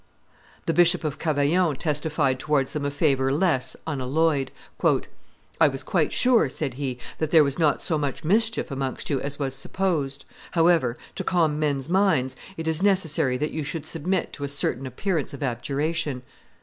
The Bishop of Cavaillon testified towards them a favor less unalloyed: "I was quite sure," said he, "that there was not so much mischief amongst you as was supposed; however, to calm men's minds, it is necessary that you should submit to a certain appearance of abjuration."